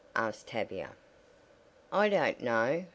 asked Tavia. "I don't know.